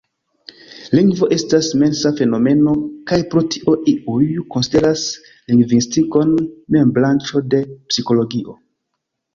Lingvo estas mensa fenomeno, kaj pro tio iuj konsideras lingvistikon mem branĉo de psikologio.